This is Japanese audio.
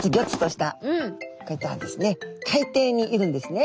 海底にいるんですね。